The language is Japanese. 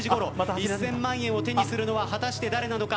１０００万円を手にするのは果たして誰なのか。